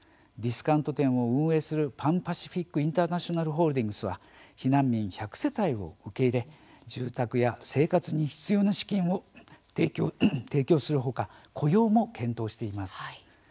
ディスカウント店を運営するパン・パシフィック・インターナショナルホールディングスは避難民１００世帯を受け入れ住宅や生活に必要な資金を提供するほか雇用も検討しています。